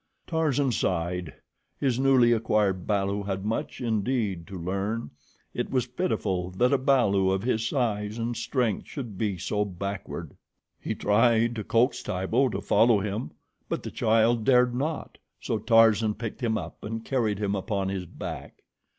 Tarzan sighed. His newly acquired balu had much indeed to learn. It was pitiful that a balu of his size and strength should be so backward. He tried to coax Tibo to follow him; but the child dared not, so Tarzan picked him up and carried him upon his back.